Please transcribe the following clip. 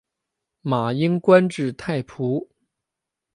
马英官至太仆。